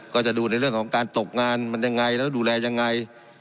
ก็จะดูในเรื่องของการตกงานมันยังไงแล้วดูแลยังไง